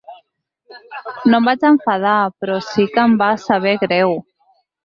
No em vaig enfadar, però sí que em va saber greu.